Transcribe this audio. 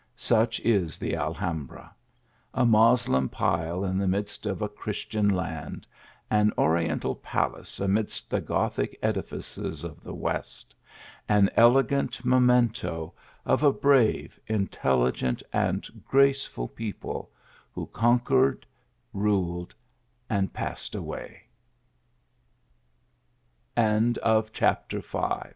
Such is the Alhambra. ^A Moslem pile in the midst of a Christian land ; an oriental palace amidst the Gothic edifices of the west ; an elegant memento of a brave, intelligent and graceful people, who conque